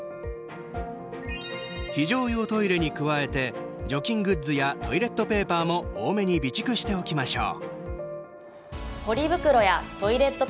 非常用トイレに加えて除菌グッズやトイレットペーパーも多めに備蓄しておきましょう。